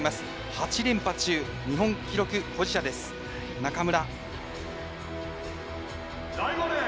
８連覇中日本記録保持者です、中村。